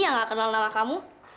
yang gak kenal nama kamu